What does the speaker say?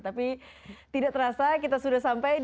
tapi tidak terasa kita sudah sampai di penghujung program gapal tuhan